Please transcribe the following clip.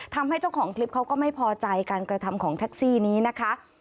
ทำให้เจ้าของคลิปเขาก็ไม่พอใจการกระทำของแท็กซี่นี้นะคะ